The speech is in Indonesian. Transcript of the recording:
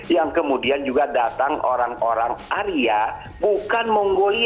yang kemudian juga datang orang orang arya bukan mongolia